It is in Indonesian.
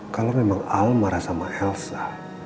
kalau memang al marah sama elsa